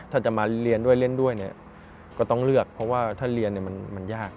ถ้าจะมาเรียนด้วยเล่นด้วยเนี่ยก็ต้องเลือกเพราะว่าถ้าเรียนมันยาก